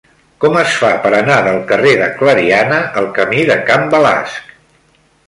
Com es fa per anar del carrer de Clariana al camí de Can Balasc?